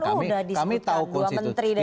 kan udah disemutkan dua menteri dari nasdem